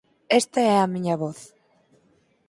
Esta é a miña voz.